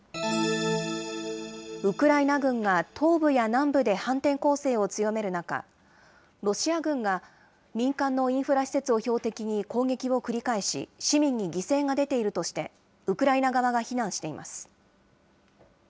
ウクライナ軍が東部や南部で反転攻勢を強める中、ロシア軍が民間のインフラ施設を標的に攻撃を繰り返し、市民に犠牲が出ているとして、ウクライナ側がひなんしています。